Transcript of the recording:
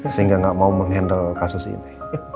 sehingga gak mau mengendal kasus ini